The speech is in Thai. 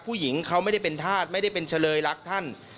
ผู้หญิงเขาไม่ได้เป็นธาตุไม่ได้เป็นเฉลยรักท่าน